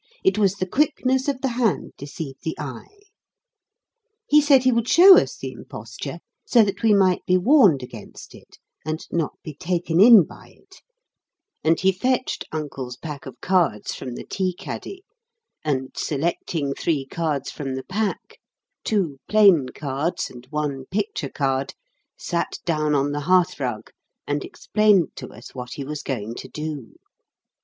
It was the quickness of the hand deceived the eye. He said he would show us the imposture so that we might be warned against it, and not be taken in by it; and he fetched Uncle's pack of cards from the tea caddy, and, selecting three cards from the pack, two plain cards and one picture card, sat down on the hearthrug, and explained to us what he was going to do.